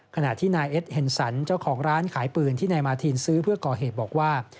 ขณะที่นายเอ็ดเฮนสันเจ้าของร้านขายปืนที่นายมาทีนซื้อเพื่อก่อเหตุบอกว่า